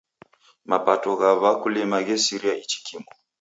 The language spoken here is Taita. Mapato gha w'akulima ghaserie ichi kimu.